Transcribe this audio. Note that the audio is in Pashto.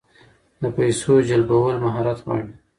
د پیسو جلبول مهارت غواړي.